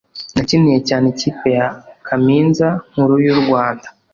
nakiniye cyane ikipe ya Kaminza nkuru y’u Rwanda